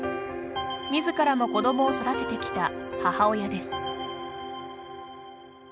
みずからも子どもを育ててきた母親です。